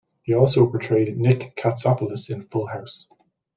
He also portrayed Nick Katsopolis in "Full House".